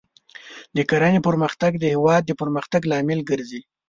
د کرنې پرمختګ د هېواد د پرمختګ لامل ګرځي.